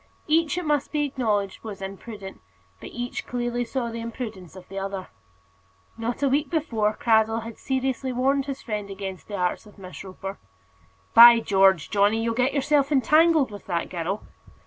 Each, it must be acknowledged, was imprudent; but each clearly saw the imprudence of the other. Not a week before this, Cradell had seriously warned his friend against the arts of Miss Roper. "By George, Johnny, you'll get yourself entangled with that girl."